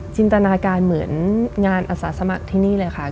จินตนาการเหมือนงานอสาสมัครที่นี่เลยค่ะ